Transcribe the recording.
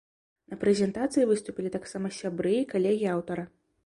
На прэзентацыі выступілі таксама сябры і калегі аўтара.